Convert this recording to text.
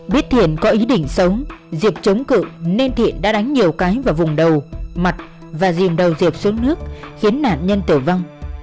biết thiện có ý định sống diệp chống cự nên thiện đã đánh nhiều cái vào vùng đầu mặt và rìm đầu diệp xuống nước khiến nạn nhân tử vong